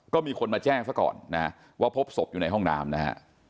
ก็มีคนมาแจ้งซะก่อนนะฮะว่าพบศพอยู่ในห้องน้ำนะฮะ